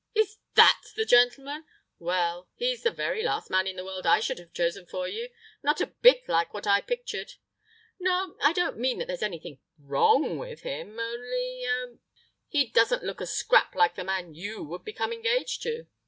"Is that the gentleman! Well! he's the very last man in the world I should have chosen for you! Not a bit like what I pictured.... "No, I don't mean that there's anything wrong with him, only—er—he doesn't look a scrap like the man you would become engaged to....